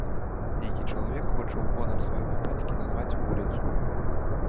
Нейкі чалавек хоча ў гонар свайго бацькі назваць вуліцу.